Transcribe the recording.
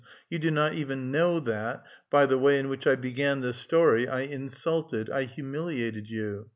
You do not even know that, by the way in which I began this story, I insulted, I humiliated you.